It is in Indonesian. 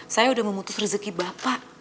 saya sudah memutus rezeki bapak